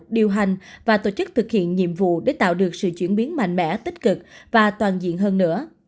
điều hành và tổ chức thực hiện nhiệm vụ để tạo được sự chuyển biến mạnh mẽ tích cực và toàn diện hơn nữa